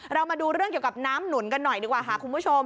เรามาดูเรื่องเกี่ยวกับน้ำหนุนกันหน่อยดีกว่าค่ะคุณผู้ชม